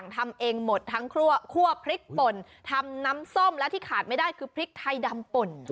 ทำเองหมดทั้งคั่วพริกป่นทำน้ำส้มและที่ขาดไม่ได้คือพริกไทยดำป่น